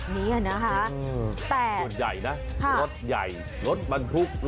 วิทยาลัยศาสตร์อัศวิทยาลัยศาสตร์